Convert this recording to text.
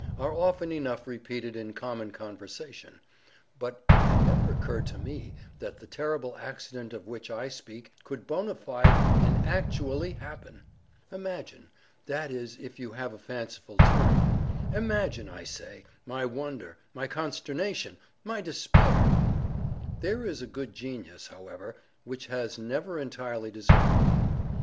are often enough repeated in common conversation; but it had never occurred to me that the terrible accident of which I speak could bona fide and actually happen! Imagine—that is if you have a fanciful turn—imagine, I say, my wonder—my consternation—my despair! There is a good genius, however, which has never entirely deserted me.